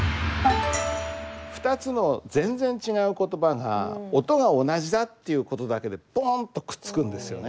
２つの全然違う言葉が音が同じだっていうことだけでポンとくっつくんですよね。